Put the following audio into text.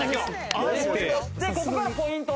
ここからポイント。